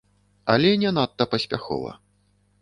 Але не надта паспяхова.